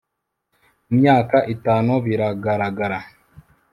mu myaka itanu biragaragara